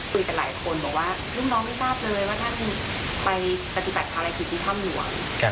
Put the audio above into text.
คุยกับหลายคนบอกว่ารุ่นน้องไม่ทราบเลยว่าท่านไปปฏิบัติภารกิจที่ถ้ำหลวง